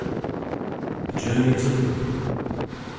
THE JOURNEY TO LIVERPOOL.